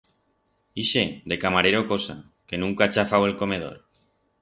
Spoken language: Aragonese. Ixe, de camarero cosa, que nunca ha chafau el comedor.